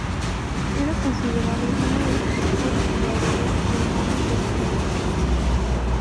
Era considerado uno de los mejores jugadores alemanes de su generación.